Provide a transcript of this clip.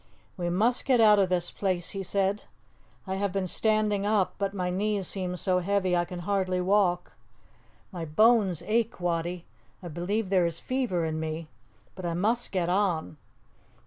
"We must get out of this place," he said. "I have been standing up, but my knees seem so heavy I can hardly walk. My bones ache, Wattie; I believe there is fever in me, but I must get on.